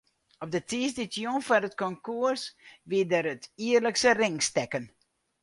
Op de tiisdeitejûn foar it konkoers wie der it jierlikse ringstekken.